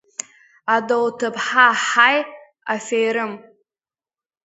Адоуҭыԥҳа ҳаи, аферым!